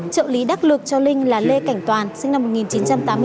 trợ lý đắc lực cho linh là lê cảnh toàn sinh năm một nghìn chín trăm tám mươi sáu